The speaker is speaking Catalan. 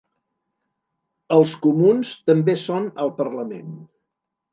Els comuns també són al parlament.